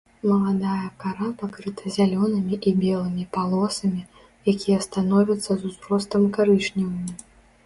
Маладая кара пакрыта зялёнымі і белымі палосамі, якія становяцца з узростам карычневымі.